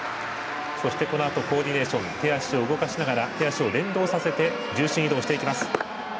そして、コーディネーション手足を動かしながら手足を連動させて重心移動していきます。